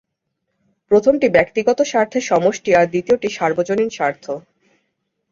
প্রথমটি ব্যক্তিগত স্বার্থের সমষ্টি আর দ্বিতীয়টি সার্বজনীন স্বার্থ।